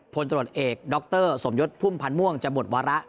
พลตรวจเอกดรสมยศพุ่มพันธ์ม่วงจะหมดวาระ